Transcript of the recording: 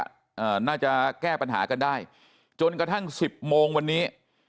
อ่าน่าจะแก้ปัญหากันได้จนกระทั่งสิบโมงวันนี้